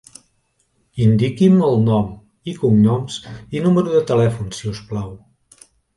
Indiqui'm el nom i cognoms i número de telèfon, si us plau.